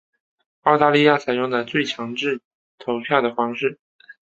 澳大利亚采用的是强制投票的方式。